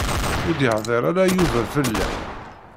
Ur d-yehdir ara Yuba fell-am.